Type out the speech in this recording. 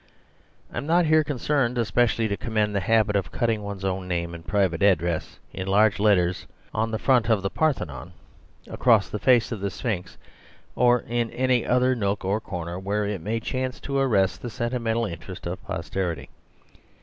I am not here concerned especially to commend the habit of cutting one's own name and private address in large letters on the front of the Parthenon, across the face of the Sphinx, or in any other nook or corner where it may chance to arrest the sentimental interest of posterity.